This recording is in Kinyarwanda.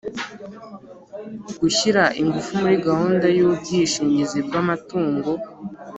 Gushyira ingufu muri gahunda y ubwishingizi bw amatungo